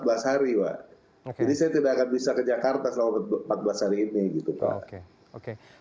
jadi saya tidak akan bisa ke jakarta selama empat belas hari ini